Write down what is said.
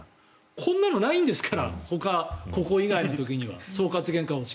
こんなのないんですから、ほかここ以外の時には総括原価方式。